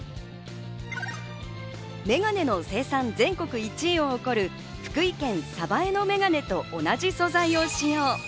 眼鏡の生産全国１位を誇る福井県鯖江の眼鏡と同じ素材を使用。